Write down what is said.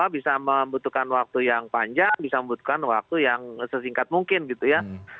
bisa membutuhkan waktu yang panjang bisa membutuhkan waktu yang sesingkat mungkin gitu ya